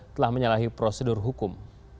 telah menyalahi prosedur hukum